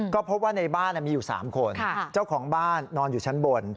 ก็พบว่าในบ้านมีอยู่๓คนเจ้าของบ้านนอนอยู่ชั้นบน